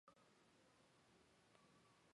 历官直隶元氏县知县。